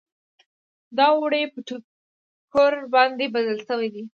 دا وړۍ په ټوکر باندې بدلې شوې دي.